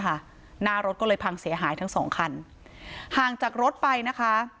หน้ารถก็เลยพังเสียหายทั้งสองคันห่างจากรถไปนะคะ